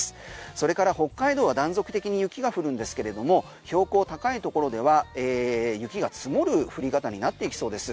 それから北海道は断続的に雪が降るんですけれども標高、高いところでは雪が積もる降り方になっていきそうです。